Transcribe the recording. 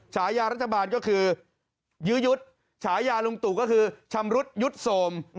ฉายารัฐบาลก็คือยื้อยุดฉายาลุงตู่ก็คือชำรุดยุดโทรม